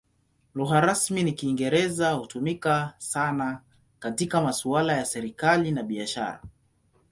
Lugha rasmi ni Kiingereza; hutumika sana katika masuala ya serikali na biashara.